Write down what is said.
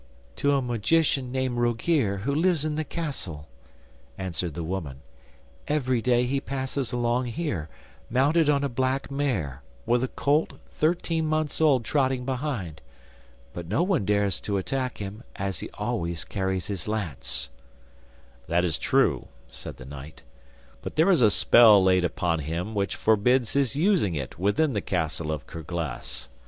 'To a magician named Rogear who lives in the castle,' answered the woman. 'Every day he passes along here, mounted on a black mare, with a colt thirteen months old trotting behind. But no one dares to attack him, as he always carries his lance.' 'That is true,' said the knight, 'but there is a spell laid upon him which forbids his using it within the castle of Kerglas.